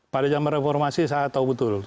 pada zaman reformasi saya tahu betul